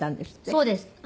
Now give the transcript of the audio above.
そうです。